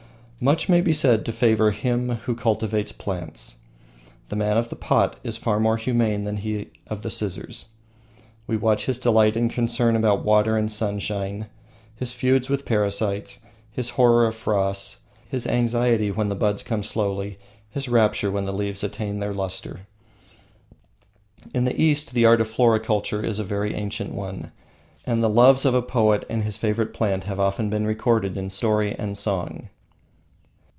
Much may be said in favor of him who cultivates plants. The man of the pot is far more humane than he of the scissors. We watch with delight his concern about water and sunshine, his feuds with parasites, his horror of frosts, his anxiety when the buds come slowly, his rapture when the leaves attain their lustre. In the East the art of floriculture is a very ancient one, and the loves of a poet and his favorite plant have often been recorded in story and song.